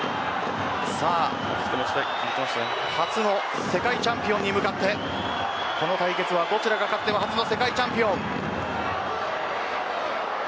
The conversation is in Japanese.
初の世界チャンピオンに向かってこの対決はどちらが勝っても初の世界チャンピオン。